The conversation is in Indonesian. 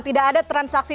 tidak ada transaksi